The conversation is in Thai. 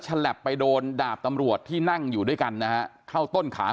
ฉลับไปโดนดาบตำรวจที่นั่งอยู่ด้วยกันนะฮะเข้าต้นขา